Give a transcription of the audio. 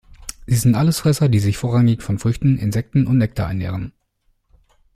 Sie sind Allesfresser, die sich vorrangig von Früchten, Insekten und Nektar ernähren.